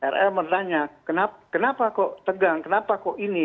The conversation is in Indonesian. rl bertanya kenapa kok tegang kenapa kok ini